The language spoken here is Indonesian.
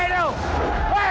kita harus ke rumah